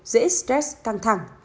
dễ stress căng thẳng